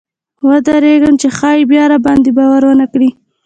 ویرېدم چې ښایي بیا راباندې باور ونه کړي.